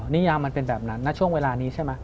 นิยามมันเป็นแบบนั้นณช่วงเวลานี้ใช่ไหม